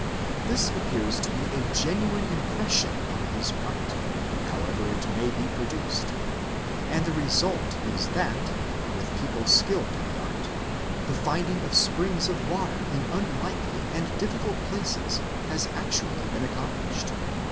This appears to be a genuine impression on his part, however it may be produced; and the result is that, with people skilled in the art, the finding of springs of water in unlikely and difficult places has actually been accomplished.